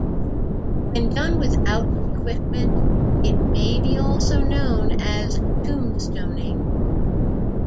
When done without equipment, it may be also known as tombstoning.